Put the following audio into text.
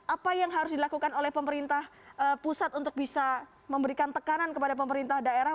apa yang harus dilakukan oleh pemerintah pusat untuk bisa memberikan tekanan kepada pemerintah daerah